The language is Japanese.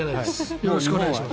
よろしくお願いします。